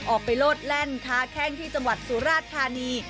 โลดแล่นค้าแข้งที่จังหวัดสุราชธานี